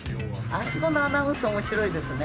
あそこのアナウンス面白いですね。